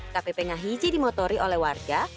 kpp ngahiji dimotori oleh warga